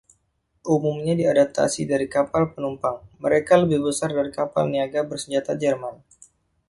Umumnya diadaptasi dari kapal penumpang, mereka lebih besar dari kapal niaga bersenjata Jerman.